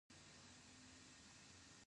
څنګه کولی شم د درواغو عادت پرېږدم